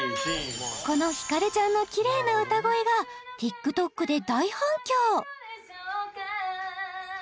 このひかるちゃんのきれいな歌声がＴｉｋＴｏｋで大反響！